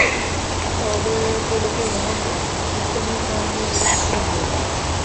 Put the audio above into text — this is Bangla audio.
তবে তো লোকে মহা উদ্যমে কর্মে লেগে শক্তিমান হয়ে উঠবে।